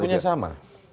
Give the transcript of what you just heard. tapi pelakunya sama